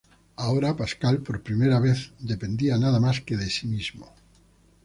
Ahora, Pascal por primera vez dependía nada más que de sí mismo.